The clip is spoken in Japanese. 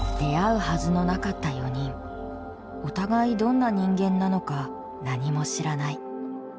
お互いどんな人間なのか何も知らない。